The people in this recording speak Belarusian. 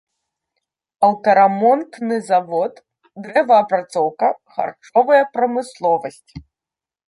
Аўтарамонтны завод, дрэваапрацоўка, харчовая прамысловасць.